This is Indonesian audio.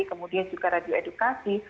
kemudian juga radio edukasi